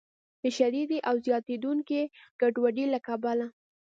د شدیدې او زیاتیدونکې ګډوډۍ له کبله